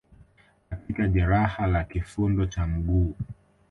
katika jeraha la kifundo cha mguu